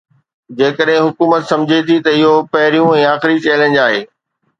جيڪڏهن حڪومت سمجهي ٿي ته اهو پهريون ۽ آخري چئلينج آهي.